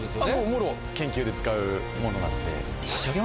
もろ研究で使うものなので。